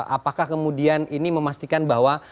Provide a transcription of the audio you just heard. apakah kemudian ini memastikan bahwa